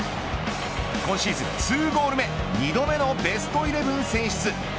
今シーズン、２ゴール目２度目のベストイレブン選出。